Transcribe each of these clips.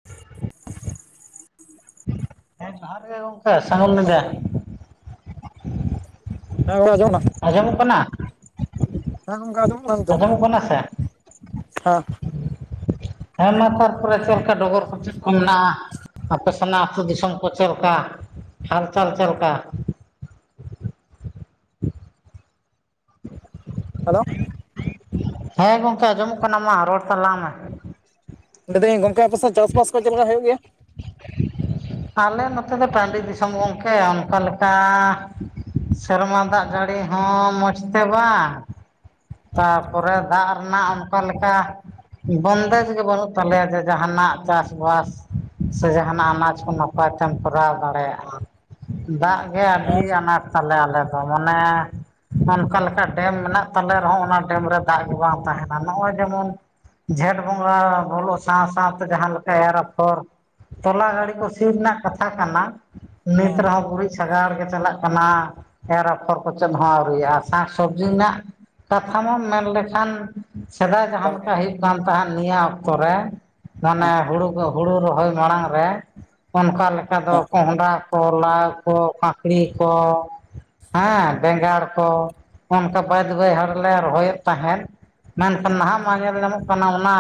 [inaudible] [inaudible] ᱦᱮᱸ ᱡᱚᱦᱟᱨ ᱜᱮ ᱜᱚᱝᱹᱠᱮ ᱥᱜᱮᱢ ᱞᱟᱹᱭᱫᱟ ᱦᱮᱸ ᱚᱱᱟᱹ ᱡᱚᱢ ᱟᱸᱡᱚᱢᱚᱼᱜ ᱠᱟᱱᱟ ᱦᱮᱸ ᱜᱚᱝᱹᱠᱟ ᱟᱫᱚᱢ ᱱᱟᱝ ᱛᱚ ᱟᱸᱡᱚᱢᱚᱜ ᱠᱟᱱᱟ ᱥᱮ? ᱦᱮᱸ ᱦᱮᱸ ᱢᱟ ᱛᱟᱨᱯᱚᱹᱨᱮ ᱪᱮᱫ ᱞᱮᱠᱟᱹ ᱰᱚᱜᱚᱨ ᱠᱚ ᱪ ᱜᱢᱹᱱᱟ ᱟᱼᱯᱮ ᱥᱮᱹᱱᱟ ᱟᱛᱳ ᱫᱤᱥᱚᱢ ᱠᱚ ᱪᱟᱞᱠᱟ ᱦᱟᱞ ᱪᱟᱞ ᱪᱟᱞᱠᱟ? [inaudible] ᱦᱮᱞᱳ ᱦᱮᱸ ᱜᱚᱝᱹᱠᱮ ᱟᱸᱡᱚᱢᱚᱼᱜ ᱠᱟᱱᱟ ᱢᱟ ᱨᱚᱲ ᱛᱟᱞᱟᱝ ᱢᱮ ᱫᱟᱹᱭᱫᱟᱹᱧ ᱜᱚᱝᱹᱠᱮ ᱟᱯᱮ ᱪᱟᱥ ᱵᱟᱥ ᱠᱚ ᱪᱮᱫ ᱞᱮᱠᱟᱜ ᱦᱩᱭᱩᱜᱹ ᱜᱮᱼᱭᱟ? [inaudible] ᱟᱞᱮ ᱱᱚᱛᱮ ᱫᱚ ᱯᱚᱱᱰᱤᱛ ᱫᱤᱥᱚᱢ ᱜᱚᱢᱠᱮ ᱚᱱᱠᱟ ᱞᱮᱠᱟ ᱥᱮᱨᱢᱟ ᱫᱟᱜ ᱡᱟᱹᱲᱤ ᱦᱚᱸ ᱢᱚᱡᱽ ᱛᱮ ᱵᱟᱝ ᱛᱟᱨᱯᱚᱨᱮ ᱫᱟᱜ ᱨᱮᱱᱟᱜ ᱚᱱᱠᱟ ᱞᱮᱠᱟ ᱵᱚᱱᱫᱮᱡᱜ ᱜᱮ ᱵᱟᱹᱱᱩᱜ ᱛᱟᱞᱮᱭᱟ ᱡᱮ ᱡᱟᱦᱟᱱᱟᱜ ᱪᱟᱥᱵᱥ ᱥᱮ ᱡᱟᱦᱱᱟᱜ ᱟᱱᱟᱡ ᱠᱚ ᱱᱟᱯᱟᱭ ᱛᱮᱢ ᱠᱚᱨᱟᱣ ᱫᱟᱲᱮᱭᱟᱜᱼᱟ ᱫᱟᱜ ᱜᱮ ᱟᱹᱰᱤ ᱦᱮᱸ ᱟᱱᱟᱴ ᱛᱟᱞᱮ ᱟᱞᱮ ᱫᱚ ᱢᱟᱱᱮ ᱚᱱᱠᱟ ᱞᱮᱠᱟ ᱰᱮᱢ ᱢᱮᱱᱟᱜ ᱛᱟᱞᱮᱭᱟ᱾ ᱨᱮᱦᱚᱸ ᱚᱱᱟ ᱰᱮᱢ ᱨᱮ ᱫᱟᱜ ᱜᱮ ᱵᱟᱝ ᱛᱟᱦᱮᱱᱟ ᱱᱚᱜᱼᱚᱭ ᱡᱮᱢᱚᱱ ᱡᱷᱮᱸᱴ ᱵᱚᱸᱜᱟ ᱵᱚᱞᱚᱜ ᱥᱟᱶ ᱥᱟᱶᱛᱮ ᱡᱟᱦᱟᱸ ᱞᱮᱠᱟ ᱮᱨ ᱟᱯᱷᱚᱨ ᱛᱚᱞᱟ ᱦᱮᱸ ᱜᱟᱹᱲᱤ ᱠᱚ ᱥ ᱨᱮᱱᱟᱜ ᱠᱟᱛᱷᱟ ᱠᱟᱱᱟ ᱱᱤᱛ ᱦᱮᱸ ᱨᱮᱦᱚᱸ ᱜᱩᱨᱤᱡ ᱥᱟᱜᱟᱲ ᱜᱮ ᱪᱟᱞᱟᱜ ᱠᱟᱱᱟ ᱮᱨ ᱟᱯᱷᱚᱨ ᱠᱚᱪᱮᱫ ᱦᱚᱸ ᱟᱹᱣᱨᱨᱤᱼᱟ ᱥᱟᱠ ᱥᱚᱵᱽᱡᱤ ᱨᱮᱱᱟᱜ ᱠᱟᱛᱷᱟᱢᱚᱢ ᱢᱮᱱ ᱞᱮᱠᱷᱟᱱ ᱥᱮᱫᱟᱭ ᱵᱟᱝᱜᱮ ᱡᱟᱦᱟᱸᱟᱸᱮ ᱞᱮᱠᱟ ᱦ ᱦᱩᱭᱩᱜ ᱠᱟᱱ ᱛᱫ ᱱᱤᱭᱟᱹ ᱚᱠᱛᱚ ᱨᱮ ᱢᱟᱱᱮ ᱦᱮᱸ ᱦᱩᱲᱩ ᱦᱩᱲᱩ ᱨᱚᱦᱚᱭ ᱢᱟᱲᱟᱝ ᱨᱮ ᱚᱱᱠᱟ ᱞᱮᱠᱟ ᱫᱚ ᱦᱮᱸ ᱠᱚᱸᱦᱰᱟ ᱠᱚᱞᱟ ᱠᱚ ᱠᱟᱠᱲᱤ ᱠᱚ ᱦᱮᱸ ᱵᱮᱸᱜᱟᱲ ᱠᱚ ᱚᱱᱠᱟ ᱵᱟᱹᱭᱦᱟᱹᱲ ᱞᱮᱮ ᱨᱚᱦᱚᱭᱮᱫ ᱛᱟᱦᱮᱸᱫ ᱢᱮᱱᱠᱷᱟᱱ ᱦᱮᱸ ᱱᱟᱦᱟᱜ ᱧᱮᱞ ᱧᱟᱢᱚᱜ ᱠᱟᱱᱟ ᱚᱱᱟ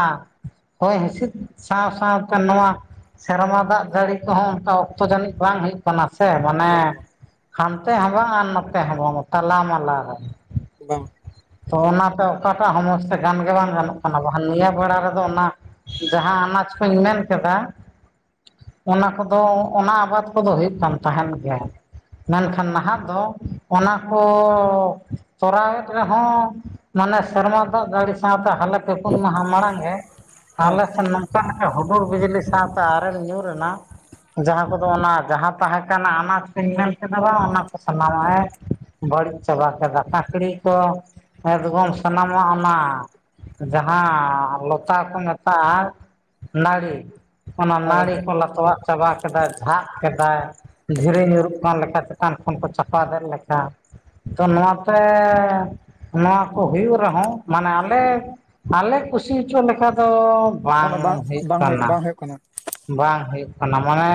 ᱦᱚᱭ ᱦᱤᱸᱥᱤᱫ ᱥᱟᱶ ᱥᱟᱶᱛᱮ ᱱᱚᱣᱟ ᱥᱮᱨᱢᱟ ᱫᱟᱜ ᱡᱟᱹᱲᱤ ᱠᱚᱦᱚᱸ ᱚᱱᱠᱟ ᱚᱠᱛᱚ ᱡᱟᱹᱱᱤᱡ ᱵᱟᱝ ᱦᱩᱭᱩᱜ ᱠᱟᱱᱟ ᱾ ᱠᱟᱱᱟ ᱥᱮ ᱢᱟᱱᱮ ᱵᱟᱝ ᱵᱟᱝ ᱦᱟᱱᱛᱮ ᱦᱚᱸ ᱵᱟᱝ ᱟᱨ ᱱᱚᱛᱮ ᱦᱚᱸ ᱵᱟᱝ ᱛᱟᱞᱟ ᱢᱟᱞᱟ ᱨᱮ ᱵᱟᱝ ᱛᱚ ᱚᱱᱟᱛᱮ ᱚᱠᱟᱴᱟᱜ ᱥᱚᱢᱚᱥᱥᱟ ᱜᱟᱱ ᱜᱮ ᱵᱟᱝ ᱜᱟᱱᱚᱜ ᱠᱟᱱᱟ ᱱᱤᱭᱟᱹ ᱵᱮᱲᱟ ᱨᱮᱫᱚ ᱚᱱᱟ ᱡᱟᱦᱟᱸ ᱟᱱᱟᱡ ᱠᱩᱧ ᱢᱮᱱᱠᱮᱫᱟ ᱚᱱᱟ ᱠᱚᱫᱚ ᱚᱱᱟ ᱟᱵᱟᱫ ᱠᱚᱫᱚ ᱦᱩᱭᱩᱜ ᱠᱟᱱ ᱛᱟᱦᱮᱸᱱ ᱜᱮᱭᱟ ᱢᱮᱱᱠᱷᱟᱱ ᱱᱟᱦᱟᱜ ᱫᱚ ᱚᱱᱟ ᱠᱚ ᱛᱚᱨᱟᱣᱮᱫ [unintelligible] ᱦᱚᱸ ᱢᱟᱱᱮ ᱥᱮᱨᱢᱟ ᱫᱚᱜ ᱡᱟᱲᱮ ᱥᱟᱶᱛᱟ ᱦᱟᱞᱟᱛ ᱯᱮ ᱯᱩᱱ ᱢᱟᱦ ᱢᱟᱲ ᱜᱮ ᱦᱮᱸ ᱟᱞᱮ ᱥᱮ ᱢᱟ ᱚ ᱦᱩᱰᱩᱨ ᱵᱤᱡᱽᱞᱤ ᱥᱟᱶᱛᱮ ᱟᱨᱮᱞ ᱧᱩᱨ ᱨᱮᱱᱟᱜ ᱡᱟᱦᱟᱸ ᱠᱚᱫᱚ ᱚᱱᱟ ᱡᱟᱦᱟᱸ ᱛᱟᱦᱮᱸ ᱠᱟᱱᱟ ᱚᱱᱟᱧ ᱢᱮᱱ ᱠᱮᱫᱟ ᱵᱟᱝ ᱚᱱᱟ ᱠᱚ ᱥᱟᱱᱟᱢᱟᱜᱮ ᱵᱟᱹᱲᱤᱡ ᱪᱟᱵᱟ ᱠᱮᱫᱟ ᱠᱟᱠᱲᱤ ᱠᱚ ᱮᱫᱽᱜᱚᱢ ᱥᱟᱱᱟᱢᱟᱜ ᱚᱱᱟ ᱡᱟᱦᱟᱸ ᱞᱚᱛᱟ ᱠᱚ ᱢᱮᱛᱟᱜᱼᱟ ᱱᱟᱹᱲᱤ ᱚᱱᱟ ᱦᱮᱸ ᱱᱟᱹᱲᱤ ᱜᱚᱝᱠᱮ ᱠᱚ ᱞᱟᱛᱣᱟᱜ ᱪᱟᱵᱟ ᱠᱮᱫᱟᱭ ᱡᱷᱟᱜ ᱠᱮᱫᱟᱭ ᱫᱷᱤᱨᱤ ᱧᱩᱨᱩᱜ ᱠᱟᱱ ᱞᱮᱠᱟ ᱪᱮᱛᱟᱱ ᱠᱷᱚᱱ ᱠᱚ ᱪᱟᱯᱟᱫᱮᱜ ᱞᱮᱠᱟ ᱛᱚ ᱱᱚᱣᱟᱛᱮ ᱱᱚᱣᱟ ᱠᱚ ᱦᱩᱭᱩᱜ ᱨᱮᱦᱚᱸ ᱢᱟᱱᱮ ᱟᱞᱮ ᱟᱞᱮ ᱠᱩᱥᱤ ᱦᱚᱪᱚ ᱞᱮᱠᱟ ᱫᱚ ᱵᱟᱝ ᱚᱱᱟ ᱦᱩᱭᱩᱜ ᱵᱟᱝ ᱠᱟᱱᱟ ᱵᱟᱝ ᱦᱩᱭᱩᱜ ᱠᱟᱱᱟ ᱵᱟᱝ ᱦᱩᱭᱩᱜ ᱠᱟᱱᱟ ᱢᱟᱱᱮ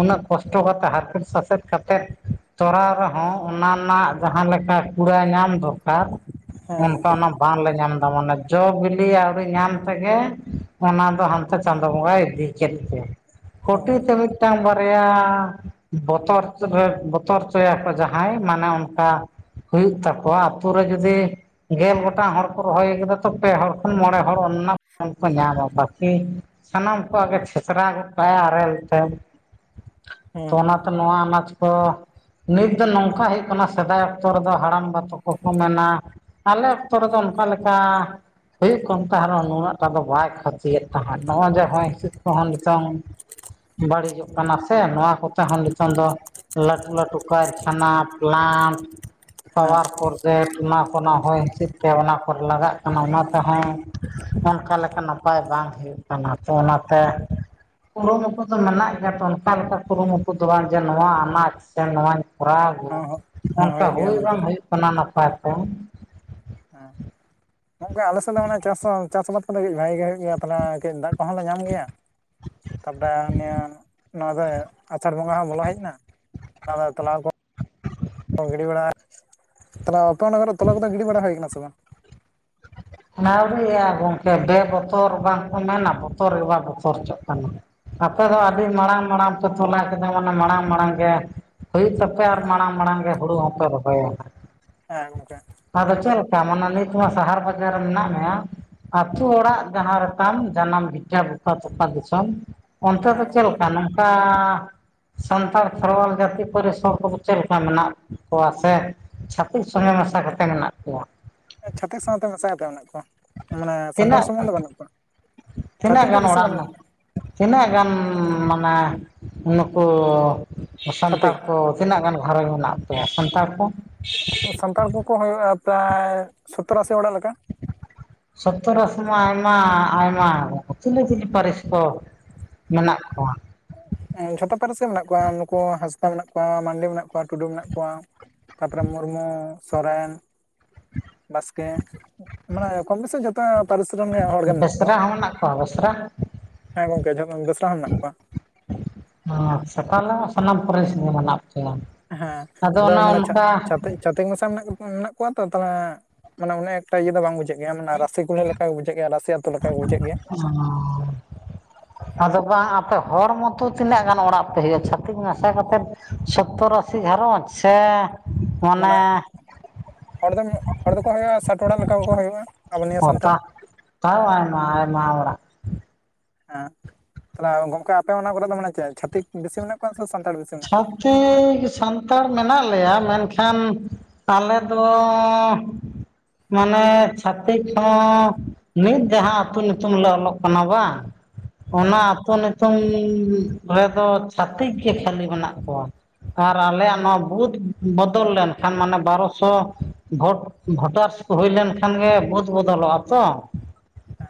ᱩᱱᱟᱹᱜ ᱠᱚᱥᱴᱚ ᱠᱟᱛᱮᱜ ᱦᱟᱠᱩᱮᱫ ᱥᱟᱥᱮᱛ ᱠᱟᱛᱮᱫ ᱛᱚᱨᱟᱣ ᱨᱮᱦᱚᱸ ᱚᱱᱟ ᱨᱮᱱᱟᱜ ᱡᱟᱦᱟᱸ ᱞᱮᱠᱟ ᱠᱩᱲᱟ ᱧᱟᱢ ᱫᱚᱨᱠᱟᱨ ᱦᱮᱸ ᱚᱱᱠᱟ ᱜᱚᱝᱠᱮ ᱚᱱᱟ ᱵᱟᱝᱞᱮ ᱧᱟᱢ ᱮᱫᱟ ᱢᱟᱱᱮ ᱡᱚ ᱵᱤᱞᱤ ᱟᱹᱣᱨᱤ ᱧᱟᱢ ᱛᱮᱜᱮ ᱚᱱᱟ ᱫᱚ ᱦᱟᱱᱛᱮ ᱪᱟᱸᱫᱳ ᱵᱚᱸᱜᱟᱭ ᱤᱫᱤᱜ ᱪᱮᱫ ᱛᱮ ᱦᱮᱸ ᱦᱮᱸ ᱠᱩᱴᱤ ᱛᱮ ᱢᱤᱫᱴᱟᱝ ᱵᱟᱨᱭᱟ ᱵᱚᱛᱚᱨ ᱨᱮ ᱵᱚᱛᱚᱨ ᱦᱚᱪᱚᱭᱟᱠᱚ ᱡᱟᱦᱟᱸᱭ ᱢᱟᱱᱮ ᱚᱱᱠᱟ ᱦᱩᱭᱩᱜ ᱛᱟᱠᱚᱣᱟ ᱟᱹᱛᱩ ᱨᱮ ᱡᱩᱫᱤ ᱜᱮᱞ ᱜᱚᱴᱟᱝ ᱦᱚᱲ ᱠᱚ ᱨᱚᱦᱚᱭ ᱠᱟᱟ ᱛᱚ ᱯᱮ ᱦᱚᱲ ᱠᱷᱚᱱ ᱢᱚᱬᱮ ᱦᱚᱲ ᱚᱱᱟ ᱨᱮᱱᱟᱜ ᱯᱷ ᱠᱚ ᱧᱟᱢᱟ ᱵᱟᱠᱤ ᱥᱟᱱᱟᱢ ᱠᱚ ᱜᱮ [unintelligible] ᱜᱚᱫᱛᱟᱭᱟ ᱟᱨᱤᱞ ᱛᱮ ᱦᱮᱸ ᱚᱱᱟᱼ ᱱᱚᱣᱟ ᱟᱱᱟᱡᱽ ᱠᱚ ᱱᱤᱛ ᱫᱚ ᱱᱚᱝᱠᱟ ᱦᱩᱭᱩᱜᱜ ᱠᱟᱱᱟ ᱥᱮᱫᱟᱭ ᱚᱠᱛᱚ ᱨᱮᱫᱚ ᱦᱟᱲᱟᱢ ᱵᱟ ᱛᱟ ᱠᱚᱠᱚ ᱢᱮᱱᱟ ᱟᱞᱮ ᱚᱠᱛᱚ ᱨᱮᱫ ᱚᱱᱠᱟ ᱞᱮᱠᱟ ᱦᱩᱭᱩᱜ ᱠᱟᱱ ᱛᱟᱦᱮ ᱨᱮᱱᱟᱚᱸ ᱱᱩᱱᱟᱹᱜ ᱴᱟ ᱫᱚ ᱵᱟᱭ ᱠᱷᱚᱛᱤᱭᱮᱫ ᱛᱟᱦᱮᱸᱫ ᱱᱚᱜᱼᱚᱭ ᱡᱮ ᱦᱚᱭ ᱦᱤᱥᱮᱫ ᱠᱚᱦᱚᱸ ᱱᱤᱛᱚᱝ ᱵᱟᱹᱲᱤᱡᱚᱜ ᱠᱟᱱᱟ ᱥᱮ ᱱᱚᱣᱟ ᱠᱚᱛᱮ ᱦᱚᱸ ᱱᱤᱛᱚᱝ ᱫᱚ ᱞᱴᱩ ᱞᱴᱩ ᱠᱟᱨᱠᱷᱟᱱᱟ ᱯᱮᱞᱟᱢ ᱯᱟᱣᱟᱨ ᱚᱱᱟ ᱯᱷᱩᱞ ᱚᱱᱟ ᱠᱚ ᱦᱚᱭ ᱦᱤᱸᱤᱥᱤᱫ ᱛᱮ ᱚᱱᱟ ᱠᱚᱨᱮ ᱞᱟᱜᱟᱜ ᱠᱟᱱᱟ ᱚᱱᱟ ᱛᱮᱦᱚᱸ ᱚᱱᱠᱟ ᱞᱮᱠᱟᱱᱟᱜ ᱟᱨ ᱵᱟᱝ ᱦᱩᱭᱩᱜ ᱠᱟᱱᱟ ᱛᱚ ᱚᱱᱟᱛᱮ ᱠᱩᱨᱩᱢᱩᱴᱩ ᱫᱚ ᱢᱮᱱᱟᱜ ᱜᱮᱭᱟ ᱛᱚ ᱚᱱᱠᱟ ᱞᱮᱠᱟ ᱠᱩᱨᱩᱢᱩᱴᱩ ᱫᱚ ᱵᱟᱝ ᱡᱮ ᱱᱚᱣᱟ ᱟᱱᱟᱴ ᱥᱮ ᱱᱚᱣᱟ ᱠᱚᱨᱟᱣ ᱜᱳ ᱦᱚᱸ ᱦᱮᱸ ᱚᱱᱠᱟ ᱦᱩᱭᱩᱜ ᱜᱮᱭᱟ ᱦᱳᱭ ᱢᱮᱱᱛᱮ ᱵᱟᱝ ᱦᱩᱭᱩᱜ ᱠᱟᱱᱟ ᱱᱟᱯᱟᱭ ᱛᱮ ᱦᱮᱸᱜᱚᱝᱞᱮ ᱟᱞᱮ ᱥᱮᱫ ᱫᱚ ᱢᱟᱱᱮ ᱪᱟᱥ ᱪᱟᱥ ᱵᱟᱫ ᱠᱚᱫᱚ ᱵᱷᱟᱜᱤ ᱜᱮ ᱦᱩᱭᱩᱜ ᱜᱮᱭᱟ ᱛᱟᱦᱮ ᱠᱟᱹᱡ ᱫᱟᱜ ᱠᱚᱦᱚ ᱞᱮ ᱧᱟᱢ ᱜᱮᱭᱟ ᱛᱟᱯᱚᱨᱮ ᱱᱤᱭᱟᱹ ᱱᱚᱣᱟ ᱫᱚ ᱟᱪᱟᱲ ᱵᱚᱸᱜᱟ ᱦᱚᱸ ᱵᱚᱞᱚ ᱦᱮᱡ ᱮᱱᱟ ᱚᱱᱟ ᱟᱫᱚ ᱛᱚᱞᱟᱠᱚ ᱚ ᱜᱤᱰᱤ ᱵᱟᱲᱟ ᱛᱟᱞᱮ ᱟᱯᱮ ᱚᱱᱟ ᱠᱚᱨᱮ ᱛᱚᱞᱟ ᱠᱚᱫᱚ ᱜᱤᱰᱤ ᱵᱟᱲᱟ ᱦᱩᱭ ᱠᱟᱱᱟ ᱥᱮ ᱵᱟᱝ ᱱᱟᱣᱲᱤᱼᱟ ᱜᱚᱝᱠᱮ ᱵᱮ ᱵᱚᱛᱚᱨ ᱵᱟᱝ ᱚᱱᱟ ᱱᱟ ᱵᱚᱛᱚᱨ ᱜᱮ ᱵᱟᱝ ᱵᱚᱛᱚᱨ ᱦᱚᱪᱚᱜ ᱠᱟᱱᱟ ᱟᱯᱮ ᱫᱚ ᱦᱮᱸ ᱟᱹᱰᱤ ᱢᱟᱲᱟᱝ ᱢᱟᱲᱟᱝ ᱯᱮ ᱛᱚᱞᱟ ᱠᱟᱫᱟ ᱢᱟᱱᱮ ᱢᱟᱲᱟᱝ ᱢᱟᱲᱟᱝ ᱜᱮ ᱦᱩᱭᱩᱜ ᱛᱟᱯᱮ ᱯᱮ ᱟᱨ ᱦᱮᱸ ᱢᱟᱲᱟᱝ ᱢᱟᱲᱟᱝ ᱜᱮ ᱦᱩᱲᱩ ᱦᱚᱸᱯᱮ ᱨᱚᱦᱚᱭᱟ ᱦᱮᱸ ᱜᱚᱝᱠᱮ ᱟᱫᱚ ᱪᱮᱫᱞᱮᱠᱟ ᱢᱟᱱᱮ ᱱᱤᱛᱦᱚ ᱥᱟᱦᱟᱨ ᱵᱟᱡᱟᱨ ᱢᱮᱱᱟᱜ ᱢᱮᱭᱟ ᱟᱛᱩ ᱚᱲᱟᱜ ᱡᱟᱦᱟᱸ ᱨᱮᱛᱟᱢ ᱡᱟᱱᱟᱢ ᱵᱷᱤᱴᱟᱹ ᱵᱚᱯᱟ ᱛᱚᱯᱷᱟ ᱫᱤᱥᱚᱢ ᱚᱱᱛᱮ ᱦᱮᱸ ᱫᱚ ᱪᱮᱫ ᱜᱚᱝᱠᱮ ᱞᱮᱠᱟ ᱱᱚᱝᱠᱟ ᱥᱟᱱᱛᱟᱲ ᱠᱷᱮᱨᱣᱟᱞ ᱡᱟᱹᱛᱤ ᱯᱟᱨᱤᱥ ᱦᱚᱲ ᱠᱚᱫᱚ ᱪᱮᱫ ᱞᱮᱠᱟ ᱢᱮᱱᱟᱜ ᱠᱚᱣᱟ ᱥᱮ ᱪᱷᱟᱹᱛᱤᱥ ᱥᱚᱸᱜᱮ ᱢᱮᱥᱟ ᱠᱟᱛᱮ ᱢᱮᱱᱟᱜ ᱠᱚᱣᱟ ᱪᱷᱟᱛᱤᱠ ᱥᱟᱶᱛᱮ ᱢᱮᱥᱟ ᱠᱟᱛᱮ ᱢᱮᱱᱟᱜ ᱠᱚᱣᱟ ᱢᱟᱱᱮ ᱥᱟᱱᱛᱟᱲ ᱛᱤᱱᱟᱹᱜ ᱥᱩᱢᱩᱝ ᱫᱚ ᱵᱟᱹᱱᱩᱜ ᱠᱚᱣᱟ ᱛᱤᱱᱟᱹᱜ ᱪᱷᱟᱹᱛᱤᱠ ᱫᱚ ᱜᱟᱱ ᱵᱮᱥᱤ ᱚᱲᱟᱜ ᱵᱟᱹᱱᱩᱜ ᱢᱟ ᱠᱚᱣᱟ ᱛᱤᱱᱟᱹᱜ ᱜᱟᱱ [unintelligible] ᱱᱩᱠᱩ ᱥᱟᱱᱛᱟᱲ ᱪᱷᱟᱹᱛᱤᱠ ᱠᱚ ᱛᱤᱱᱟᱹᱜ ᱜᱟᱱ ᱜᱷᱟᱨᱚᱸᱡᱽ ᱢᱮᱱᱟᱜ ᱠᱟᱣᱟ ᱥᱟᱱᱛᱟᱲ ᱠᱚ ᱥᱟᱱᱛᱟᱲ ᱠᱚᱠᱚ ᱦᱩᱭᱩᱜᱼᱟ ᱯᱨᱟᱭ ᱥᱚᱛᱛᱚᱨ ᱟᱥᱤ ᱚᱲᱟᱜ ᱞᱮᱠᱟ ᱥᱚᱛᱛᱚᱨ ᱟᱥᱤ ᱢᱟ ᱟᱭᱢᱟ ᱟᱭᱢᱟ ᱪᱤᱞᱤ ᱪᱤᱞᱤ ᱯᱟᱨᱤᱥ ᱠᱚ ᱢᱮᱱᱟᱜ ᱠᱚᱣᱟ? ᱡᱷᱚᱛᱚ ᱯᱟᱹᱨᱤᱥ ᱜᱮ ᱢᱮᱱᱟᱜ ᱠᱚᱣᱟ ᱱᱩᱠᱩ ᱦᱟᱸᱥᱫᱟ ᱢᱮᱱᱟᱜ ᱠᱚᱣᱟ ᱢᱟᱱᱰᱤ ᱢᱮᱱᱟᱜ ᱠᱚᱣᱟ ᱴᱩᱰᱩ ᱢᱮᱱᱟᱜ ᱠᱚᱣᱟ᱾ ᱛᱟᱯᱚᱨᱮ ᱢᱩᱨᱢᱩ, ᱥᱚᱨᱮᱱ ᱵᱟᱥᱠᱮ ᱢᱟᱱᱮ ᱠᱚᱢ ᱵᱮᱥᱤ ᱡᱚᱛ -ᱛᱚ ᱯᱟᱨᱤᱥ ᱨᱮᱱ ᱜᱮ ᱦᱚᱲ ᱜᱮ ᱢᱮᱱᱟᱜ ᱠᱚᱣᱟ᱾ ᱵᱮᱥᱨᱟ ᱦᱚᱸ ᱢᱮᱱᱟᱜ ᱠᱚᱣᱟ ᱵᱮᱥᱨᱟ ᱦᱮᱸ ᱜᱚᱝᱠᱮ ᱡᱚᱛᱚ ᱵᱮᱥᱨᱟ ᱦᱚᱸ ᱢᱮᱱᱟᱜ ᱠᱚᱣᱟ᱾ ᱮᱸ ᱥᱮ ᱛᱟᱦᱞᱮ ᱥᱟᱱᱟᱢ ᱯᱟᱹᱨᱤᱥ ᱜᱮ ᱢᱮᱱᱟᱜ ᱯᱮᱭᱟ᱾ ᱦᱮᱸ ᱟᱫᱚ ᱚᱱᱮ ᱢᱟᱱᱮ ᱪᱷᱟᱛ ᱚᱱᱠᱟ ᱪᱷᱟᱛᱤᱠ ᱪᱷᱟᱛᱤᱠ ᱢᱮᱥᱟ ᱢᱮᱱᱟᱜ ᱠᱚᱣᱟ ᱛᱚ ᱛᱟᱦᱞᱮ ᱢᱟᱱᱮ ᱩᱱᱟ ᱮᱠᱴᱟ ᱤᱭᱟᱹ ᱫᱚ ᱵᱟᱝ ᱵᱩᱡᱷᱟᱹᱜ ᱜᱮᱭᱟ ᱢᱟᱱᱮ ᱨᱟᱥᱤ ᱠᱩᱞᱤ ᱞᱮᱠᱟ ᱜᱮ ᱵᱩᱡᱷᱟᱹᱣ ᱜᱮᱭᱟ ᱨᱟᱹᱥᱤ ᱟᱹᱛᱩ ᱞᱮᱠᱟ ᱵᱩᱡᱷᱟᱹᱜ ᱜᱮᱭᱟ᱾ [unintelligible] ᱟᱫᱚ ᱵᱟᱝ ᱟᱯᱮ ᱦᱚᱲ ᱢᱚᱛᱚ ᱛᱤᱱᱟᱹᱜ ᱜᱟᱱ ᱚᱲᱟᱜ ᱯᱮ ᱦᱩᱭᱩᱜᱼᱟ ᱪᱷᱟᱹᱛᱤᱠ ᱢᱟᱥᱟ ᱠᱟᱛᱮᱫ? ᱥᱚᱛᱛᱚᱨ ᱟᱥᱤ ᱜᱷᱟᱨᱚᱸᱡᱽ ᱥᱮ ᱢᱟᱱᱮ ᱦᱚᱲ ᱫᱚ ᱦᱚᱲ ᱫᱚᱠᱚ ᱦᱩᱭᱩᱜᱼᱟ ᱥᱟᱴ ᱚᱲᱟᱜ ᱞᱮᱠᱟ ᱠᱚᱠᱟ ᱦᱩᱭᱩᱜᱼᱟ᱾ ᱟᱵᱚ ᱛ ᱱᱤᱭᱟᱹ ᱥᱟᱱᱛᱟᱲ ᱛᱟ ᱛᱟᱣ ᱟᱭᱢᱟ ᱟᱭᱢᱟ ᱟᱲᱟᱜ᱾ ᱦᱮᱸ ᱛᱟᱞᱦᱮ ᱜᱚᱝᱠᱮ ᱟᱯᱮ ᱚᱱᱟ ᱠᱚᱨᱮ ᱫᱚ ᱢᱟᱱᱮ ᱪᱮᱫ ᱪᱷᱟᱹᱛᱤᱠ ᱵᱮᱥᱤ ᱢᱮᱱᱟᱜ ᱠᱚᱣᱟ ᱥᱮ ᱥᱟᱱᱛᱟᱲ ᱵᱤᱥᱤ? ᱪᱷᱟᱹᱛᱤ ᱥᱟᱱᱛᱟᱲ ᱢᱮᱱᱟᱜ ᱞᱮᱭᱟ ᱢᱮᱱᱠᱷᱟᱱ ᱟᱞᱮ ᱫᱚ ᱢᱟᱱᱮ ᱪᱷᱟᱹᱛᱤᱠ ᱦᱚᱸ ᱱᱤᱛ ᱡᱟᱦᱟᱸ ᱟᱹᱛᱩ ᱧᱩᱛᱩᱢ ᱞᱮ ᱚᱞᱚᱜ ᱠᱟᱱᱟ ᱵᱟᱝ ᱦᱮᱸ ᱚᱱᱟ ᱟᱹᱛᱳ ᱧᱩᱛᱩᱢ ᱨᱮᱫᱚ ᱪᱷᱟᱹᱛᱤᱠ ᱜᱮ ᱠᱷᱟᱹᱞᱤ ᱢᱮᱱᱟᱜ ᱠᱚᱣᱟ᱾ ᱟᱨ ᱟᱞᱮᱭᱟᱜ ᱱᱚᱣᱟ ᱵᱩᱫ ᱵᱚᱫᱚᱞ ᱞᱮᱱᱠᱷᱟᱱ ᱢᱟᱱᱮ ᱵᱟᱨᱚᱥᱚ ᱵᱷᱳᱴ ᱵᱷᱳᱴᱟᱨᱥ ᱠᱚ ᱦᱩᱭ ᱞᱮᱱ ᱠᱷᱟᱱ ᱜᱮ ᱵᱩᱫ ᱵᱚᱫᱚᱞᱚᱜᱼᱟ ᱛᱚ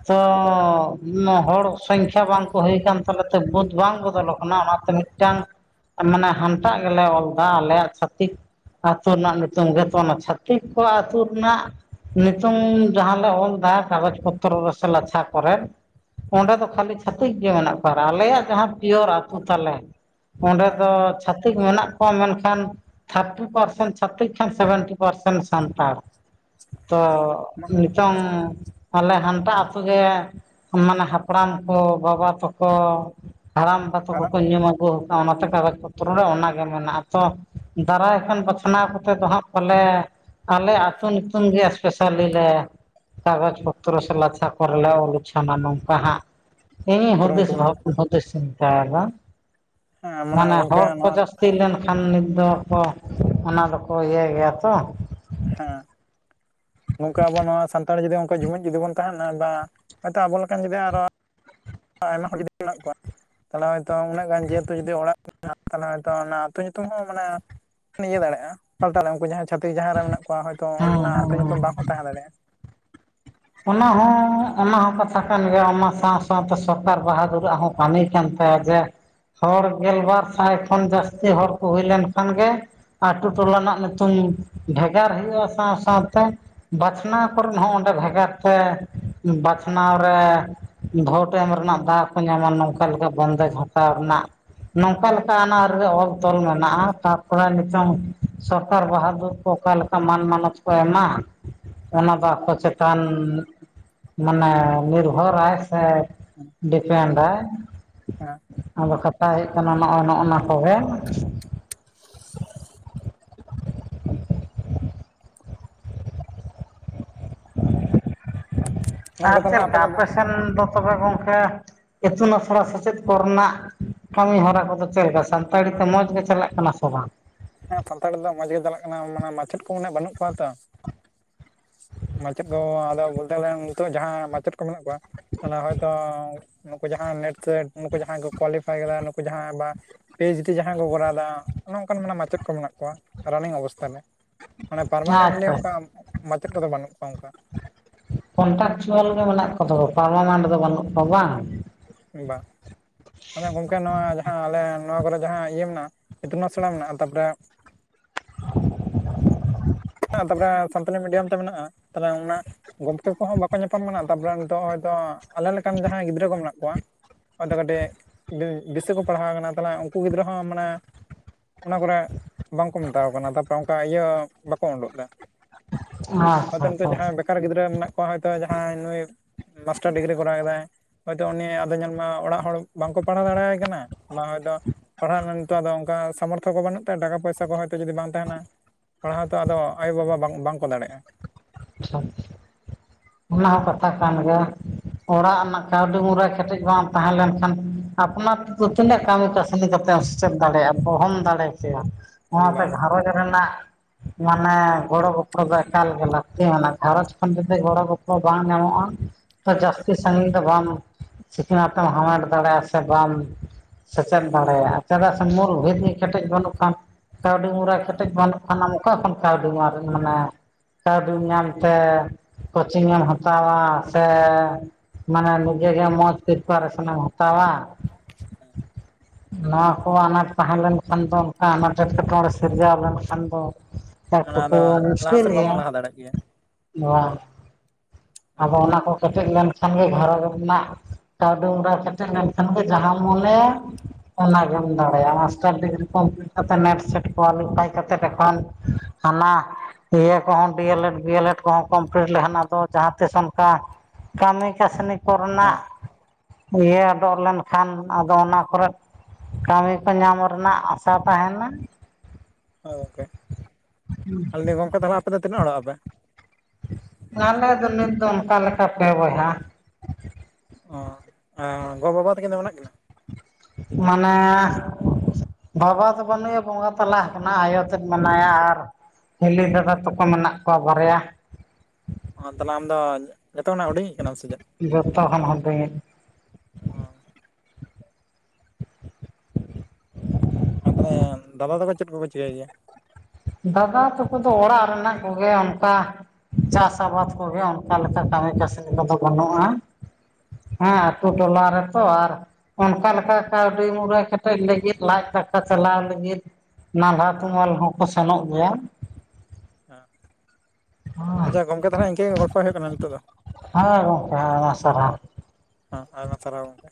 ᱛᱚ ᱛᱚ ᱩᱱᱟᱜ ᱦᱚᱲ ᱥᱚᱝᱠᱷᱟ ᱵᱟᱝᱠᱚ ᱦᱩᱭ ᱟᱠᱟᱱ ᱛᱟᱞᱮ ᱛᱮ ᱵᱩᱫ ᱵᱟᱝ ᱵᱚᱫᱚᱞᱚᱜ ᱠᱟᱱᱟ ᱚᱱᱟᱛᱮ ᱢᱤᱫᱴᱟᱝ ᱢᱟᱱᱮ ᱦᱟᱱᱴᱟᱜ ᱜᱮᱞᱮ ᱚᱞ ᱮᱫᱟ ᱟᱞᱮᱭᱟᱜ ᱪᱷᱟᱹᱛᱤᱠ ᱟᱹᱛᱩ ᱨᱮᱱᱟᱜ ᱧᱩᱛᱩᱢ ᱜᱮᱛᱚ ᱚᱱᱟ ᱪᱷᱟᱹᱛᱤᱠ ᱠᱚᱣᱟ ᱟᱹᱛᱩ ᱨᱮᱱᱟᱜ ᱱᱤᱛᱚᱝ ᱡᱟᱦᱟᱸᱞᱮ ᱚᱞ ᱫᱟ ᱠᱟᱜᱚᱡ ᱯᱚᱛᱨᱚ ᱨᱮ ᱥᱮ ᱞᱟᱪᱷᱟ ᱠᱚᱨᱮᱫ᱾ ᱚᱱᱰᱮ ᱦᱮᱸ ᱫᱚ ᱠᱷᱟᱹᱞᱤ ᱪᱷᱟᱹᱛᱤᱠ ᱜᱮ ᱢᱮᱱᱟᱜ ᱠᱚᱣᱟ ᱟᱞᱮᱭᱟᱜ ᱡᱟᱦᱟᱸ ᱯᱤᱭᱳᱨ ᱟᱹᱛᱩ ᱛᱟᱞᱮ ᱚᱸᱰᱮ ᱦᱮᱸ ᱪᱷᱟᱹᱛᱤᱠ ᱢᱮᱱᱟᱜ ᱠᱚᱣᱟ ᱢᱮᱱᱠᱷᱟᱱ ᱛᱷᱟᱨᱴᱤ ᱯᱟᱨᱥᱮᱱᱴ ᱪᱷᱟᱹᱛᱤᱠ ᱠᱷᱟᱱ ᱥᱮᱵᱷᱮᱱᱴᱤ ᱯᱟᱨᱥᱮᱱ ᱥᱟᱱᱛᱟᱲ ᱛᱚ ᱦᱮᱸ ᱱᱤᱛᱚᱝ ᱟᱞᱮ ᱦᱟᱱᱴᱟᱜ ᱟᱹᱛᱩ ᱜᱮ ᱢᱟᱱᱮ ᱦᱟᱯᱲᱟᱢ ᱠᱚ ᱵᱟᱵᱟ ᱛᱟᱠᱚ ᱦᱟᱲᱟᱢ ᱛᱟᱠᱚ ᱦᱟᱨᱟᱜ ᱠᱚ ᱧᱩᱢ ᱟᱠᱚ ᱠᱟᱱᱟ ᱚᱱᱟᱛᱮ ᱜᱟᱜᱚᱡ ᱯᱚᱛᱨᱚ ᱨᱮ ᱚᱱᱟᱜᱮ ᱢᱮᱱᱟᱜᱼᱟ ᱛᱚ ᱫᱟᱨᱟᱭ ᱠᱷᱟᱱ ᱵᱟᱪᱷᱱᱟᱣ ᱠᱟᱛᱮ ᱫᱚ ᱦᱟᱸᱜ ᱯᱟᱞᱮ ᱟᱞᱮ ᱟᱛᱩ ᱧᱩᱛᱩᱢ ᱜᱮ ᱮᱥᱯᱮᱥᱟᱞᱤ ᱞᱮ ᱠᱟᱜᱚᱡᱽ ᱯᱚᱛᱨᱚ ᱥᱮ ᱞᱟᱪᱷᱟ ᱠᱚᱨᱮ ᱞᱮ ᱚᱞ ᱩᱪᱷᱟᱱᱟ ᱟᱱ ᱯᱟᱦᱟᱜ ᱤᱧ ᱦᱩᱫᱤᱥ ᱠᱩᱨᱩᱢᱩᱴᱩ ᱵᱷᱟᱵ ᱢᱮᱱᱟᱜᱼᱟ ᱦᱩᱫᱤᱥ ᱪᱤᱱᱛᱟᱹᱭ ᱫᱟ᱾ ᱦᱮᱸ ᱢᱟᱱᱮ ᱜᱩ ᱦᱚᱲ ᱠᱚ ᱡᱟᱹᱥᱛᱤ ᱞᱮᱱᱠᱷᱟᱱ ᱱᱤᱛ ᱫᱚ ᱠᱚ ᱚᱱᱟ ᱫᱚᱠᱚ ᱤᱭᱟᱹ ᱜᱮᱭᱟ ᱛᱚ ᱦᱮᱸ ᱱᱚᱝᱠᱟ ᱟᱵᱚ ᱱᱚᱣᱟ ᱥᱟᱱᱛᱟᱲ ᱡᱩᱫᱤ ᱡᱩᱢᱤᱫ ᱡᱩᱫᱤ ᱵᱚᱱ ᱛᱟᱦᱮᱱᱟ ᱵᱟ ᱟᱵᱚ ᱞᱮᱠᱟᱱ ᱡᱩᱫᱤ ᱟᱨᱚ ᱟᱭᱢᱟ ᱦᱚᱲ ᱡᱩᱫᱤ ᱢᱮᱱᱟᱜ ᱠᱚᱣᱟ᱾ ᱛᱟᱦᱚᱞᱮ ᱦᱚᱭᱛᱳ ᱩᱱᱟᱹᱜ ᱜᱟᱱ ᱡᱮᱦᱮᱛᱩ ᱡᱩᱫᱤ ᱚᱲᱟᱜ ᱢᱮᱱᱟᱜᱼᱟ ᱛᱟᱦᱮ ᱦᱚᱭᱛᱚ ᱚᱱᱟ ᱟᱹᱛᱩ ᱧᱩᱛᱩᱢ ᱦᱚᱸ ᱢᱟᱱᱮ ᱤᱭᱟᱹ ᱫᱟᱲᱮᱭᱟᱜᱼᱟ ᱯᱟᱞᱴᱟᱣ ᱩᱱᱠᱩ ᱡᱟᱦᱟᱸᱭ ᱪᱷᱟᱹᱛᱤᱠ ᱡᱟᱦᱟᱸ ᱨᱮ ᱢᱮᱱᱟᱜ ᱠᱚᱣᱟ ᱦᱚᱭᱛᱳ ᱦᱮᱸ ᱚᱸᱰᱮᱱᱟᱜ ᱦᱮᱸ ᱟᱛᱳ ᱧᱩᱛᱩᱢ ᱦᱮᱸ ᱵᱟᱝ ᱦᱚᱸ ᱛᱟᱦᱮᱸ ᱫᱟᱲᱮᱭᱟᱜᱼᱟ᱾ ᱚᱱᱟ ᱦᱚᱸ ᱚᱱᱟ ᱦᱚᱸ ᱠᱟᱛᱷᱟ ᱠᱟᱱ ᱜᱮᱭᱟ ᱚᱱᱟ ᱥᱟᱶ ᱥᱟᱶᱛᱮ ᱥᱚᱨᱠᱟᱨ ᱵᱟᱦᱟ ᱫᱩᱨᱟᱜ ᱦᱚᱸ ᱠᱟᱹᱢᱤ ᱠᱟᱱ ᱛᱟᱭᱟ ᱡᱮ ᱦᱚᱲ ᱜᱮᱞᱵᱟᱨ ᱥᱟᱭ ᱠᱷᱚᱱ ᱡᱟᱹᱥᱛᱤ ᱦᱚᱲ ᱠᱚ ᱦᱩᱭ ᱞᱮᱱ ᱠᱷᱟᱱ ᱜᱮ ᱟᱛᱩ ᱴᱚᱞᱟ ᱨᱮᱱᱟᱜ ᱧᱩᱛᱩᱢ ᱵᱷᱮᱜᱟᱨ ᱦᱩᱭᱩᱜᱼᱟ ᱥᱟᱶ ᱥᱟᱶᱛᱮ ᱵᱟᱪᱷᱱᱟᱣ ᱠᱚᱨᱮᱫ ᱦᱚᱸ ᱚᱸᱰᱮ ᱵᱷᱮᱜᱟᱨ ᱛᱮ ᱵᱟᱪᱷᱱᱟᱣ ᱨᱮ ᱵᱷᱳᱴ ᱮᱢ ᱨᱮᱱᱟᱜ ᱫᱟᱣ ᱠᱚ ᱧᱟᱢᱟ ᱱᱚᱝᱠᱟ ᱞᱮᱠᱟ ᱵᱚᱱᱫᱮᱡ ᱦᱟᱛᱟᱣ ᱨᱮᱱᱟᱜ ᱱᱚᱝᱠᱟ ᱞᱮᱠᱟ ᱟᱱᱟ ᱟᱹᱨᱤ ᱨᱮ ᱚᱞ ᱛᱚᱞ ᱢᱮᱱᱟᱜᱼᱟ᱾ ᱛᱟᱨᱯᱚᱨᱮ ᱱᱤᱛᱚᱝ ᱥᱚᱨᱠᱟᱨ ᱵᱟᱦᱟ ᱫᱩᱨ ᱠᱚ ᱚᱠᱟ ᱞᱮᱠᱟ ᱢᱟᱱ ᱢᱟᱱᱚᱛ ᱠᱚ ᱮᱢᱟ? ᱦᱮᱸ ᱚᱱᱟ ᱫᱚ ᱟᱠᱚ ᱪᱮᱛᱟᱱ ᱢᱟᱱᱮ ᱱᱤᱨᱵᱷᱚᱨᱟᱭ᱾ ᱥᱮ ᱰᱤᱯᱮᱱᱮᱱᱰᱟᱭ ᱦᱮᱸ ᱟᱫᱚ ᱠᱟᱛᱷᱟ ᱦᱩᱭᱩᱜ ᱠᱟᱱᱟ ᱱᱚᱜᱼᱚᱭ ᱱᱚᱜᱼᱱᱟ ᱠᱚᱜᱮ ᱟᱨ ᱜᱚᱝᱠᱮ ᱛᱟᱦᱚᱞᱮ ᱪᱮᱫ ᱟᱯᱮ ᱞᱮᱠᱟ ᱫᱚ ᱟᱯᱮᱥᱮᱱ ᱫᱚ ᱛᱚᱵᱮ ᱜᱚᱝᱠᱮ ᱤᱛᱩᱱ ᱟᱥᱲᱟ ᱥᱮᱪᱮᱫ ᱠᱚᱨᱮᱱᱟᱜ ᱠᱟᱹᱢᱤ ᱦᱚᱨᱟ ᱠᱚᱫᱚ ᱪᱮᱫ ᱞᱮᱠᱟ ᱥᱟᱱᱛᱟᱲᱤ ᱛᱮ ᱢᱚᱡᱽ ᱜᱮ ᱪᱟᱞᱟᱜ ᱠᱟᱱᱟ ᱥᱮ ᱵᱟᱝ? ᱦᱮᱸ ᱥᱟᱱᱛᱟᱲᱤ ᱫᱚ ᱢᱚᱸᱡᱽ ᱜᱮ ᱪᱟᱞᱟᱜ ᱠᱟᱱᱟ ᱢᱟᱱᱮ ᱢᱟᱪᱮᱫ ᱠᱚ ᱤᱱᱟ. ᱜ ᱵᱟᱹᱱᱩᱜ ᱠᱚᱣᱟ ᱛᱚ ᱢᱟᱪᱮᱫ ᱠᱚ ᱟᱫᱚ ᱵᱚᱞᱛᱮ ᱱᱤᱛᱚᱜ ᱡᱟᱦᱟᱸ ᱢᱟᱪᱮᱫ ᱠᱚ ᱢᱮᱱᱟᱜ ᱠᱚᱣᱟ ᱛᱟᱦᱞᱮ ᱦᱚᱭᱛᱳ ᱱᱩᱠᱩ ᱡᱟᱦᱟᱸ ᱱᱮᱴ ᱥᱮ ᱱᱩᱠᱩ ᱡᱟᱦᱟᱸᱭ ᱠᱚ ᱠᱳᱣᱟᱞᱤᱯᱷᱟᱭ ᱟᱠᱟᱫᱟ ᱱᱩᱠᱩ ᱡᱟᱦᱟᱸ ᱵᱟ ᱯᱤ ᱮᱪ ᱰᱤ ᱡᱟᱦᱟᱸᱭ ᱠᱚ ᱠᱚᱨᱟᱣ ᱮᱫᱟ ᱱᱚᱜ ᱱᱚᱠᱟᱱ ᱢᱟ ᱪᱮᱫ ᱠᱚ ᱢᱮᱱᱟᱜ ᱠᱚᱣᱟ ᱨᱟᱱᱤᱝ ᱚᱵᱚᱥᱛᱟ ᱨᱮ ᱢᱟᱱᱮ ᱯᱟᱨᱢᱟᱱᱮᱱᱴᱞᱤ ᱟᱪᱪᱷᱟ ᱚᱱᱠᱟ ᱢᱟᱪᱮᱫ ᱠᱚᱫᱚ ᱵᱟᱹᱱᱩᱜ ᱠᱚᱣᱟ ᱚᱱᱠᱟ ᱠᱚᱱᱴᱟᱠᱪᱩᱣᱮᱞ ᱜᱮ ᱢᱮᱱᱟᱜ ᱠᱚ ᱫᱚ [unintelligible] ᱯᱟᱨᱢᱮᱱᱴ ᱫᱚ ᱵᱟᱹᱱᱩᱜ ᱠᱚᱣᱟ ᱵᱟᱝ? ᱵᱟᱝ ᱟᱞᱮ ᱜᱚᱝᱠᱮ ᱱᱚᱣᱟ ᱡᱟᱦᱟᱸ ᱟᱞᱮ ᱱᱚᱣᱟ ᱠᱚᱨᱮ ᱡᱟᱦᱟᱸ ᱤᱭᱟᱹ ᱢᱮᱱᱟᱜᱼᱟ ᱤᱛᱩᱱ ᱟᱥᱲᱟ ᱢᱮᱱᱟᱜᱼᱟ ᱛᱟᱯᱚᱨᱮ [unintelligible] [unintelligible] ᱛᱟᱯᱚᱨᱮ ᱥᱟᱱᱛᱟᱞᱤ ᱢᱤᱰᱤᱭᱟᱢ ᱛᱮ ᱢᱮᱱᱟᱜᱼᱟ ᱛᱮ ᱚᱱᱟ ᱜᱚᱝᱠᱮ ᱠᱚᱦᱚᱸ ᱵᱟᱠᱚ ᱧᱟᱯᱟᱢ ᱠᱟᱱᱟ ᱛᱟᱨᱯᱚᱨᱮ ᱱᱤᱛᱚᱜ ᱟᱞᱮ ᱞᱮᱠᱟᱱ ᱡᱟᱦᱟᱸᱭ ᱜᱤᱫᱽᱨᱟᱹ ᱠᱚ ᱢᱮᱱᱟᱜ ᱠᱚᱣᱟ ᱦᱚᱭᱛᱳ ᱠᱟᱹᱴᱤᱡ ᱵᱤᱥᱟᱹ ᱠᱚ ᱯᱟᱲᱦᱟᱣ ᱟᱠᱟᱱᱟ ᱛᱟᱦᱚᱞᱮ ᱩᱱᱠᱩ ᱜᱤᱫᱽᱨᱟᱹ ᱦᱚᱸ ᱢᱟᱱᱮ ᱚᱱᱟ ᱠᱚᱨᱮ ᱵᱟᱝᱠᱚ ᱢᱮᱛᱟᱣ ᱟᱠᱚ ᱠᱟᱱᱟ [unintelligible] ᱚᱱᱠᱟ ᱤᱭᱟᱹ ᱵᱟᱠᱚ ᱩᱰᱩᱠ ᱟᱪᱪᱷᱟ ᱮᱫᱟ ᱟᱪᱪᱷᱟ ᱱᱤᱛᱚᱜ ᱡᱟᱦᱟᱸ ᱚᱠᱟᱨ ᱜᱤᱫᱽᱨᱟᱹ ᱢᱮᱱᱟᱜ ᱠᱚᱣᱟ ᱦᱚᱭᱛᱳ ᱡᱟᱦᱟᱸᱭ ᱱᱩᱭ ᱢᱟᱥᱴᱟᱨ ᱰᱤᱜᱽᱨᱤ ᱠᱚᱨᱟᱣ ᱮᱫᱟᱭ ᱦᱚᱭᱛᱚ ᱩᱱᱤ ᱟᱫᱚ ᱧᱮᱞ ᱢᱮ ᱚᱲᱟᱜ ᱦᱚᱲ ᱵᱟᱝᱠᱚ ᱯᱟᱲᱦᱟᱣ ᱫᱟᱲᱮᱭᱟᱭ ᱠᱟᱱᱟ ᱢᱟ ᱦᱚᱭᱛᱚ ᱯᱟᱲᱦᱟᱜ ᱨᱮᱱᱟᱜ ᱱᱤᱛᱚᱜ ᱫᱚ ᱚᱱᱠᱟ ᱥᱟᱢᱚᱨᱛᱷᱚ ᱠᱚ ᱵᱟᱹᱱᱩᱜ ᱛᱟᱭᱟ ᱴᱟᱠᱟ ᱯᱚᱭᱥᱟ ᱠᱚ ᱦᱚᱭᱛᱳ ᱡᱩᱫᱤ ᱵᱟᱝ ᱛᱟᱦᱮᱱᱟ ᱯᱟᱲᱦᱟᱣ ᱛᱚ ᱟᱫᱚ ᱟᱭᱳ ᱵᱟᱵᱟ ᱵᱟᱝ ᱵᱟᱝᱠᱚ ᱫᱟᱲᱮᱭᱟᱜᱼᱟ ᱟᱪᱪᱷᱟ ᱚᱱᱟ ᱦᱚᱸ ᱠᱟᱛᱷᱟ ᱠᱟᱱ ᱜᱮᱭᱟ ᱚᱲᱟᱜ ᱨᱮᱱᱟᱜ ᱠᱟᱹᱣᱰᱤ ᱢᱩᱨᱟᱹᱭ ᱠᱟᱹᱴᱤᱡ ᱵᱟᱝ ᱛᱟᱦᱮᱸ ᱞᱮᱱᱠᱷᱟᱱ ᱟᱯᱱᱟᱨ ᱛᱤᱱᱟᱹᱜ ᱠᱟᱹᱢᱤ ᱠᱟᱹᱥᱱᱤ ᱠᱟᱛᱮᱢ ᱪᱮᱫ ᱫᱟᱲᱮᱭᱟᱜᱼᱟ ᱚᱦᱚᱢ ᱫᱟᱲᱮ ᱠᱮᱭᱟ ᱚᱱᱟᱛᱮ ᱵᱟᱝ ᱜᱷᱟᱨᱚᱡᱽ ᱨᱮᱱᱟᱜ ᱢᱟᱱᱮ ᱜᱳᱲᱳ ᱜᱳᱯᱚᱲᱳ ᱫᱚ ᱮᱠᱟᱞ ᱜᱮ ᱞᱟ ᱛᱮᱦᱮᱱᱟ ᱜᱷᱟᱸᱨᱚᱸᱡᱽ ᱠᱷᱚᱱ ᱡᱩᱫᱤ ᱜᱳᱲᱳ ᱜᱳᱯᱚᱲᱳ ᱵᱟᱝ ᱧᱟᱢᱚᱜᱼᱟ ᱡᱟᱹᱥᱛᱤ ᱥᱟᱺᱜᱤᱧ ᱫᱚ ᱵᱟᱝ ᱥᱤᱠᱷᱱᱟᱹᱛ ᱮᱢ ᱦᱟᱢᱮᱴ ᱫᱟᱲᱮᱭᱟᱜᱼᱟ ᱥᱮ ᱵᱟᱢ ᱥᱮᱪᱮᱫ ᱫᱟᱲᱮᱭᱟᱜᱼᱟ ᱪᱮᱫᱟᱜ ᱥᱮ ᱢᱩᱞ ᱵᱷᱤᱛ ᱠᱮᱴᱮᱡ ᱵᱟᱹᱱᱩᱜ ᱠᱷᱟᱱ ᱠᱟᱹᱣᱰᱤ ᱢᱩᱨᱟᱹᱭ ᱠᱮᱴᱮᱡ ᱵᱟᱹᱱᱩᱜ ᱠᱷᱟᱱ ᱟᱢ ᱚᱠᱟ ᱠᱷᱚᱱ ᱠᱟᱹᱣᱰᱤᱢ ᱢᱟᱱᱮ ᱠᱟᱹᱣᱰᱤᱢ ᱧᱟᱢ ᱛᱮ ᱠᱚᱪᱤᱝ ᱮᱢ ᱦᱟᱛᱟᱣᱟ ᱥᱮ ᱢᱟᱱᱮ ᱡᱮᱜᱮ ᱢᱚᱡᱽ [unintelligible] ᱦᱟᱛᱟᱣᱟ [inaudible] ᱱᱚᱣᱟ ᱠᱚ ᱟᱱᱟᱴ ᱛᱟᱦᱮᱸ ᱞᱮᱱᱠᱷᱟᱱ ᱫᱚ ᱚᱱᱠᱟ ᱟᱱᱟᱴ ᱮᱸᱴᱠᱮᱴᱚᱬᱮ ᱥᱤᱨᱡᱟᱹᱣ ᱞᱮᱱᱠᱷᱟᱱ ᱫᱚ ᱟᱨ ᱚᱱᱟ ᱟᱫᱚ ᱛᱳᱯᱳᱱ ᱞᱟᱦᱟ ᱢᱤᱥᱴᱮᱱ ᱥᱮᱫ ᱞᱮᱭᱟ ᱵᱟᱵᱚᱱ ᱞᱟᱦᱟ ᱫᱟᱲᱮᱭᱟᱜ ᱜᱮᱭᱟ ᱱᱚᱣᱟ ᱟᱫᱚ ᱚᱱᱟ ᱠᱚ ᱠᱮᱴᱮᱡ ᱞᱮᱱᱠᱷᱟᱱ ᱜᱮ ᱜᱷᱟᱨᱚᱸᱡᱽ ᱨᱮᱱᱟᱜ ᱠᱟᱹᱣᱰᱤ ᱢᱩᱨᱟ. ᱭ ᱠᱮᱴᱮᱡ ᱞᱮᱱᱠᱷᱟᱱ ᱜᱮ ᱡᱟᱦᱟᱢ ᱢᱚᱱᱮᱭᱟ ᱚᱱᱟᱜᱮᱢ ᱫᱟᱲᱮᱭᱟᱜᱼᱟ ᱢᱟᱥᱴᱟᱨ ᱰᱤᱜᱽᱨᱤ ᱠᱚᱢᱯᱤ ᱪᱤᱠᱟ. ᱛᱮ ᱱᱮᱴ ᱥᱮᱴ ᱠᱚᱞᱤᱯᱷᱟᱭ ᱠᱟᱛᱮ ᱮᱠᱷᱚᱱ ᱦᱟᱱᱟ ᱤᱭᱟᱹ ᱠᱚᱦᱚᱸ D L Ed B L Ed ᱠᱚᱦᱚᱸ ᱠᱚᱢᱯᱞᱤᱴ ᱞᱮᱠᱷᱟᱱ ᱟᱫᱚ ᱡᱟᱦᱟᱸ ᱛᱤᱥ ᱚᱱᱠᱟ ᱠᱟᱹᱢᱤ ᱠᱟᱹᱥᱱᱤ ᱠᱚᱨᱮᱱᱟᱜ ᱦᱮᱸ ᱤᱭᱟᱹ ᱚᱰᱚᱜ ᱞᱮᱱᱠᱷᱟᱱ ᱟᱫᱚ ᱚᱱᱟ ᱠᱚᱨᱮ ᱠᱟᱹᱢᱤ ᱠᱚ ᱧᱟᱢᱚᱜ ᱨᱮᱱᱟᱜ ᱟᱥᱟ ᱛᱟᱦᱮᱱᱟ ᱦᱚᱭ ᱜᱚᱝᱠᱮ ᱟᱫᱚ ᱜᱚᱝᱠᱮ ᱛᱟᱦᱚᱞᱮ ᱟᱯᱮ ᱫᱚ ᱛᱤᱱᱟᱹᱜ ᱦᱚᱲᱚᱜ ᱟᱯᱮ ᱟᱞᱮ ᱫᱚ ᱱᱤᱛ ᱫᱚ ᱚᱱᱠᱟ ᱞᱮᱠᱟ ᱯᱮ ᱵᱚᱭᱦᱟ ᱚ.. ᱟ.. ᱜᱚ-ᱵᱟᱵᱟ ᱛᱟᱹᱠᱤᱱ ᱫᱚ ᱢᱮᱱᱟᱜ ᱠᱤᱱᱟ ᱢᱟᱱᱮᱻᱮ ᱵᱟᱵᱟ ᱫᱚ ᱵᱟᱹᱱᱩᱜᱭᱟ ᱵᱚᱸᱜᱟ ᱛᱟᱞᱟ ᱟᱠᱟᱱᱟᱭ ᱟᱭᱚ ᱛᱮᱜ ᱢᱮᱱᱟᱭᱟ ᱟᱨ ᱦᱤᱞᱤ ᱫᱟᱫᱟ ᱛᱟᱠᱚ ᱢᱮᱱᱟᱜ ᱠᱚᱣᱟ ᱵᱟᱨᱭᱟ ᱚ.. ᱛᱟᱦᱚᱞᱮ ᱟᱢᱫᱚ ᱡᱚᱛᱚ ᱠᱷᱚᱱᱟᱜ ᱦᱩᱰᱤᱧ ᱤᱡ ᱠᱟᱱᱟᱢ ᱥᱮ ᱪᱮᱫ ᱡᱚᱛᱚ ᱠᱷᱚᱱ ᱦᱩᱰᱤᱧ ᱤᱡ ᱚᱸ ᱟᱨ ᱛᱟᱦᱚᱞᱮ ᱫᱟᱫᱟ ᱛᱚᱠᱚ ᱪᱮᱫ ᱠᱚᱠᱚ ᱪᱤᱠᱟᱹᱭ ᱜᱮᱭᱟ ᱫᱟᱫᱟ ᱛᱚᱠᱚ ᱫᱚ ᱚᱲᱟᱜ ᱨᱮᱱᱟᱜ ᱠᱚᱜᱮ ᱚᱱᱠᱟ ᱪᱟᱥ ᱟᱵᱟᱫ ᱠᱚᱜᱮ ᱚᱱᱠᱟ ᱞᱮᱠᱟ ᱠᱟᱹᱢᱤ ᱠᱟᱹᱥᱱᱤ ᱠᱚᱫᱚ ᱵᱟᱹᱱᱩᱜᱼᱟ ᱦᱮᱸ ᱟᱛᱩ ᱴᱚᱞᱟ ᱨᱮᱛᱚ ᱟᱨ ᱚᱱᱠᱟ ᱞᱮᱠᱟ ᱠᱟᱹᱣᱰᱤ ᱢᱩᱨᱟᱹᱭ ᱠᱮᱴᱮᱡ ᱞᱟᱹᱜᱤᱫ ᱞᱟᱡ ᱫᱟᱠᱟ ᱪᱟᱞᱟᱣ ᱞᱟᱹᱜᱤᱫ ᱱᱟᱞᱦᱟ ᱛᱩᱢᱞ ᱦᱚᱸᱠᱚ ᱥᱮᱱᱚᱜ ᱜᱮᱭᱟ ᱦᱮᱸ ᱟᱪᱪᱷᱟ ᱜᱚᱝᱠᱮ ᱛᱟᱦᱚᱞᱮ ᱤᱱᱠᱟᱹ ᱜᱮ ᱜᱚᱞᱯᱷᱚ ᱦᱩᱭᱩᱜ ᱠᱟᱱᱟ ᱱᱤᱛᱚᱜ ᱫᱚ ᱦᱮᱸ ᱜᱚᱝᱠᱮ ᱦᱮᱸᱟᱭᱢᱟ ᱥᱟᱨᱦᱟᱣ ᱦᱚᱸ ᱟᱭᱢᱟ ᱥᱟᱨᱦᱟᱣ ᱜᱚᱝᱠᱮ